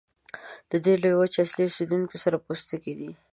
د دې لویې وچې اصلي اوسیدونکي سره پوستکي دي.